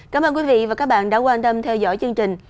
cảm ơn quý vị và các bạn đã quan tâm theo dõi chương trình